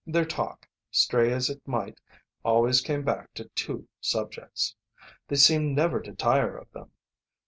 Their talk, stray as it might, always came back to two subjects. They seemed never to tire of them.